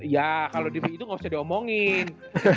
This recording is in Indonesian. ya kalo di ibi tuh gak usah diomongin